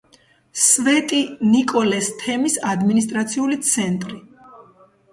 სვეტი-ნიკოლეს თემის ადმინისტრაციული ცენტრი.